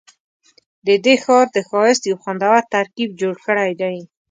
ددې ښار د ښایست یو خوندور ترکیب جوړ کړی دی.